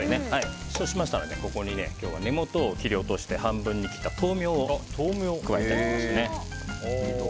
そうしましたら、ここに根元を切り落として半分に切った豆苗を加えたいと思います。